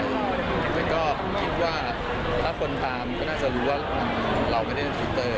แล้วก็ผมคิดว่าถ้าคนตามก็น่าจะรู้ว่าเราไม่ได้เล่นทวิตเตอร์